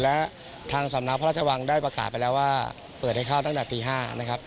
และทางสำนักพระราชวังได้ประกาศไปแล้วว่าเปิดให้เข้าตั้งแต่ตี๕นะครับ